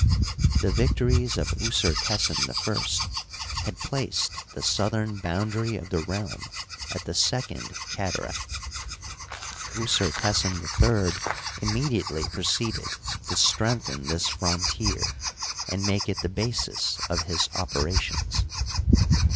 The victories of Usertesen I had placed the southern boundary of the realm at the Sec ond Cataract. Usertesen III immediately proceeded to strengthen this frontier and make it the basis of his oper ations.